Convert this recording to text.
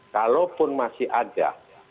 kalaupun masih ada